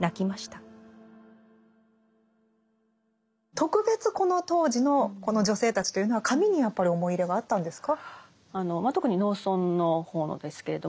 特別この当時のこの女性たちというのは髪にやっぱり思い入れがあったんですか？